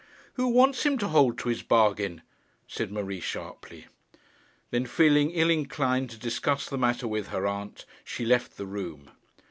'Who wants him to hold to his bargain?' said Marie sharply. Then feeling ill inclined to discuss the matter with her aunt, she left the room.